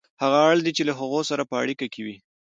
هغه اړ دی چې له هغوی سره په اړیکه کې وي